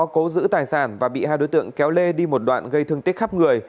cố giữ tài sản và bị hai đối tượng kéo lê đi một đoạn gây thương tích khắp người